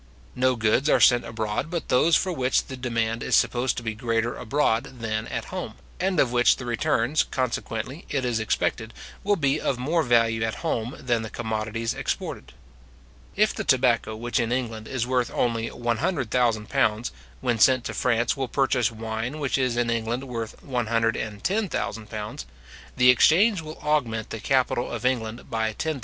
No goods are sent abroad but those for which the demand is supposed to be greater abroad than at home, and of which the returns, consequently, it is expected, will be of more value at home than the commodities exported. If the tobacco which in England is worth only £100,000, when sent to France, will purchase wine which is in England worth £110,000, the exchange will augment the capital of England by £10,000.